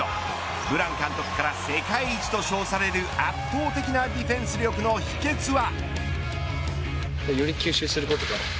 ブラン監督から世界一と称される圧倒的なディフェンス力の秘訣は。